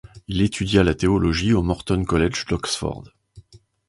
Il étudia la théologie au Morton College d'Oxford.